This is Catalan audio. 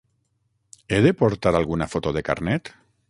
He de portar alguna foto de carnet?